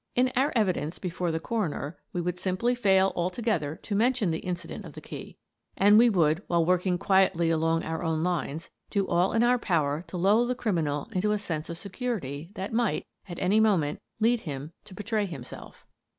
In our evidence before the coroner we would simply fail altogether to mention the incident of the key ; and we would, while work ing quietly along our own lines, do all in our power to lull the criminal into a sense of security that might, at any moment, lead him to betray himself.